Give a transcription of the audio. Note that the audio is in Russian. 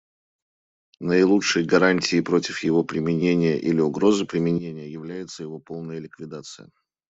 Наилучшей гарантией против его применения или угрозы применения является его полная ликвидация.